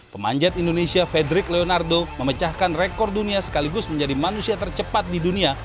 pemanjat indonesia fedrik leonardo memecahkan rekor dunia sekaligus menjadi manusia tercepat di dunia